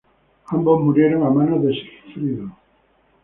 Ambos murieron a manos de Sigfrido.